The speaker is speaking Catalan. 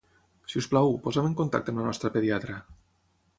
Si us plau, posa'm en contacte amb la nostra pediatra.